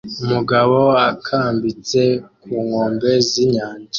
Umugabo akambitse ku nkombe z'inyanja